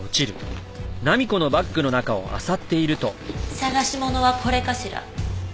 探し物はこれかしら？